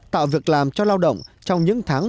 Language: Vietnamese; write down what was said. tạo việc làm cho lao động trong những tháng